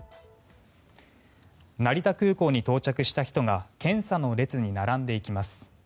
成田空港に到着した人が検査の列に並んでいきます。